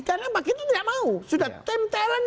karena pak gitu tidak mau sudah tim talent